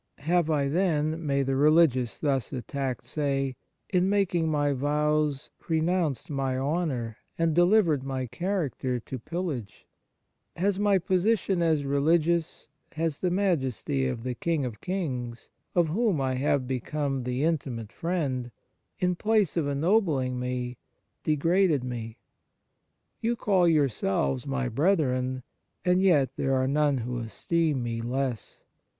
" Have I, then," may the religious thus attacked say, " in making my vows renounced my honour and delivered my character to pillage ? Has my position as religious, has the majesty of the King of Kings, of whom I have become the intimate friend, in place of ennobling me, degraded me ? You call your selves my brethren, and yet there are none who esteem me less!